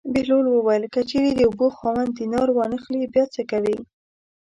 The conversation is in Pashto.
بهلول وویل: که چېرې د اوبو خاوند دینار وانه خلي بیا څه کوې.